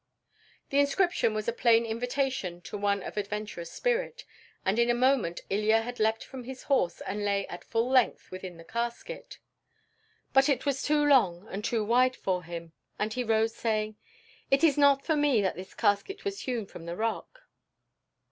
The inscription was a plain invitation to one of adventurous spirit, and in a moment Ilya had leapt from his horse and lay at full length within the casket. But it was too long and too wide for him, and he rose saying, "It is not for me that this casket was hewn from the rock."